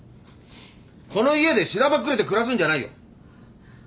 この家でしらばっくれて暮らすんじゃないよ。